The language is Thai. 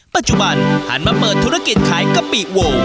ปัจจุบันหันมาเปิดธุรกิจขายกะปิโว